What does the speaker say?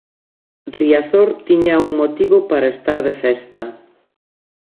Riazor tiña un motivo para estar de festa.